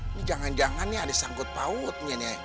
ini jangan jangan ada sanggup pautnya